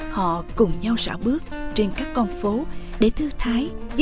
họ cùng nhau xả bước trên các con phố để thư thái